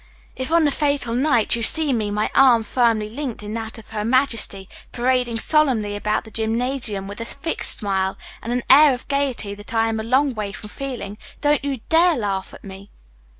If on the fatal night you see me, my arm firmly linked in that of her majesty, parading solemnly about the gymnasium with a fixed smile, and an air of gayety that I am a long way from feeling, don't you dare to laugh at me."